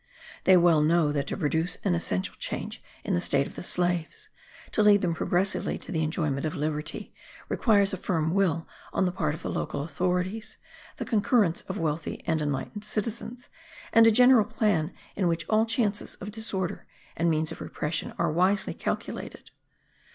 They well know that to produce an essential change in the state of the slaves, to lead them progressively to the enjoyment of liberty, requires a firm will on the part of the local authorities, the concurrence of wealthy and enlightened citizens, and a general plan in which all chances of disorder and means of repression are wisely calculated.